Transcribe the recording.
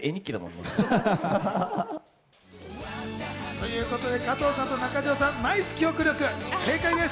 ということで、加藤さんと中条さん、ナイス記憶力、正解です。